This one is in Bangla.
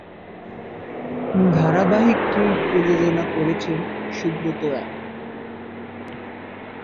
ধারাবাহিকটির প্রযোজনা করেছেন সুব্রত রায়।